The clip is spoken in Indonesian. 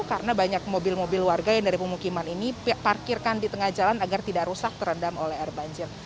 karena banyak mobil mobil warga yang dari pemukiman ini parkirkan di tengah jalan agar tidak rusak terendam oleh air banjir